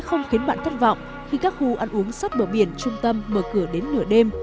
không khiến bạn thất vọng khi các khu ăn uống sát bờ biển trung tâm mở cửa đến nửa đêm